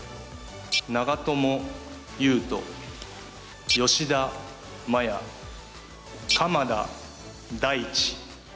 長友佑都、吉田麻也鎌田大地。